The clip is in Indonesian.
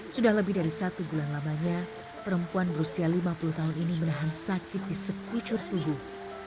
sudah lebih dari satu bulan lamanya perempuan berusia lima puluh tahun ini menahan sakit di sekucur tubuh